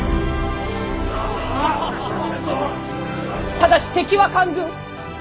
ただし敵は官軍。